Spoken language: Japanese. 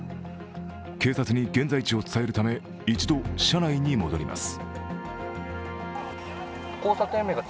警察に現在地を伝えるため、一度、車内に戻ります。